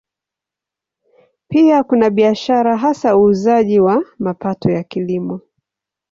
Pia kuna biashara, hasa uuzaji wa mapato ya Kilimo.